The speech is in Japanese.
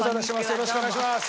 よろしくお願いします。